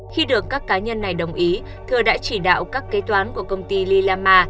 khi được các cá nhân này đồng ý thừa đã chỉ đạo các kế toán của công ty lilama